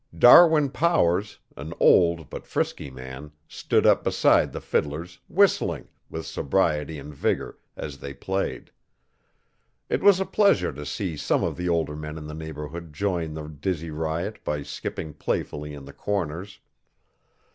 Darwin Powers, an old but frisky man, stood up beside the fiddlers, whistling, with sobriety and vigour, as they played. It was a pleasure to see some of the older men of the neighbourhood join the dizzy riot by skipping playfully in the corners.